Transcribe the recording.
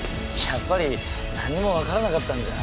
やっぱり何もわからなかったんじゃ。